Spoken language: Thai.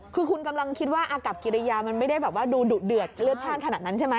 คือคุณกำลังคิดว่าอากับกิริยามันไม่ได้แบบว่าดูดุเดือดเลือดพลาดขนาดนั้นใช่ไหม